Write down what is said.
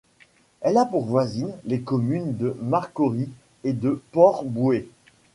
Elle a pour voisine, les communes de Marcory et de Port – Bouët.